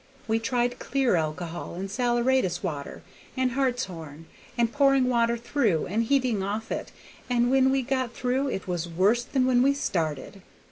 We tried clear alcohol, and saleratus water, and hartshorn, and pouring water through, and heating of it, and when we got through it was worse than when we started.